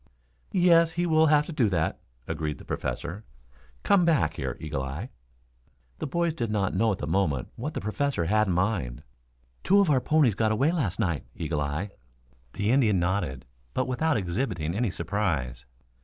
"Yes, he will have to do that," agreed the Professor. "Come back here, Eagle eye." The boys did not know at the moment what the Professor had in mind. "Two of our ponies got away last night, Eagle eye." The Indian nodded, but without exhibiting any surprise.